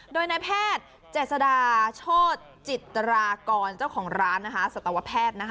โดยนายแพทย์เจษดาโชธจิตรากรเจ้าของร้านสัตวแพทย์นะคะ